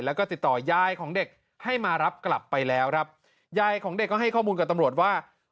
แล้วก็ติดต่อยายของเด็กให้มารับกลับไปแล้วครับยายของเด็กก็ให้ข้อมูลกับตำรวจว่า